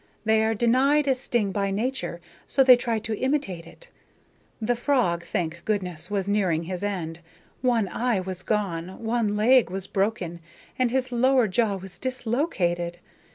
They are denied a sting by nature, so they try to imitate it. The frog, thank goodness, was nearing his end. One eye was gone, one leg was broken, and his lower jaw was dislocated.